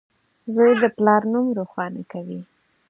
• زوی د پلار نوم روښانه کوي.